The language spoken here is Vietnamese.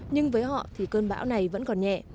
nhưng với họ thì cơn bão này vẫn còn nhẹ